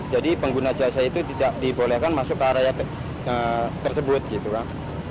pengguna jasa itu tidak dibolehkan masuk ke area tersebut gitu kan